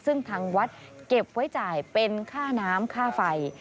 ซึ่งทางวัดเก็บไว้จ่ายเป็นค่าน้ำค่าไฟ